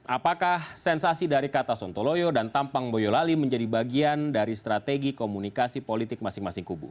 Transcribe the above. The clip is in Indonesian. apakah sensasi dari kata sontoloyo dan tampang boyolali menjadi bagian dari strategi komunikasi politik masing masing kubu